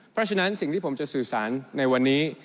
เพราะฉะนั้นสิ่งที่ผมจะสื่อสารในวันนี้